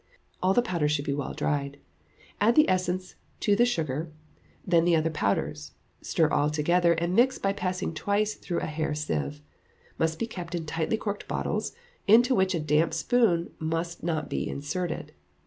All the powders should be well dried; add the essence to the sugar, then the other powders; stir all together, and mix by passing twice through a hair sieve. Must be kept in tightly corked bottles, into which a damp spoon must not be inserted.